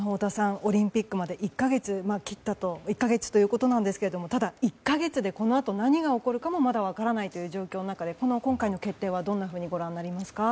オリンピックまで１か月ということですがただ、１か月でこのあと何が起こるかもまだ分からないという状況の中で今回の決定はどうご覧になりますか？